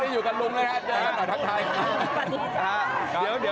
ไม่ได้อยู่กับลุงแล้วครับอย่างนั้นหน่อยทักทาย